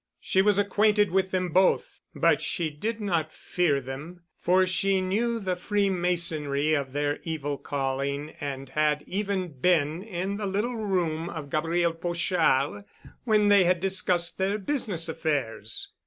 She was acquainted with them both, but she did not fear them, for she knew the freemasonry of their evil calling and had even been in the little room of Gabriel Pochard when they had discussed their business affairs.